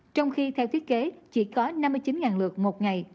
trong khi theo thiết kế chỉ có năm mươi chín lượt một ngày